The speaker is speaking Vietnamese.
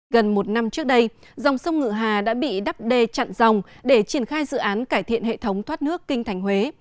gần một năm trước đây dòng sông ngựa hà đã bị đắp đê chặn dòng để triển khai dự án cải thiện hệ thống thoát nước kinh thành huế